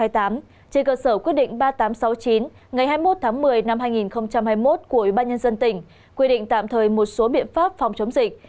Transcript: trên cơ sở quyết định ba nghìn tám trăm sáu mươi chín ngày hai mươi một tháng một mươi năm hai nghìn hai mươi một của ủy ban nhân dân tỉnh quy định tạm thời một số biện pháp phòng chống dịch